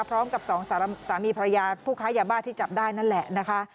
สองสามีภรรยาผู้ค้ายาบ้าที่จับได้นั่นแหละนะคะ